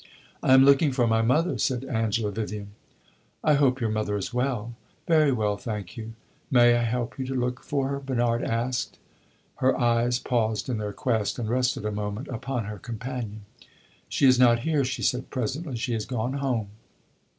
"I am looking for my mother," said Angela Vivian. "I hope your mother is well." "Very well, thank you." "May I help you to look for her?" Bernard asked. Her eyes paused in their quest, and rested a moment upon her companion. "She is not here," she said presently. "She has gone home."